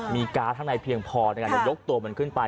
มีการ์ชทางในเพียงพอยกตัวมันขึ้นไป